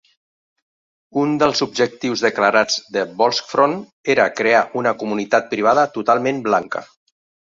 Un dels objectius declarats de Volksfront era crear una comunitat privada totalment blanca.